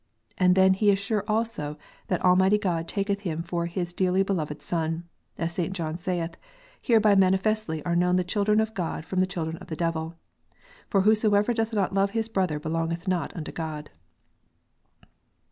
And then he is sure also that Almighty God taketh him for His dearly beloved son; as Saint John saith, hereby manifestly are known the children of God from the children of the devil ; for whosoever doth not love his brother belongeth not unto God."